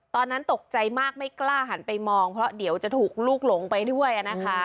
ตอนนั้นตกใจมากไม่กล้าหันไปมองเพราะเดี๋ยวจะถูกลูกหลงไปด้วยนะคะ